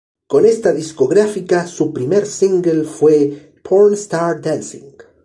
Con esta discográfica su primer single fue "Porn Star Dancing".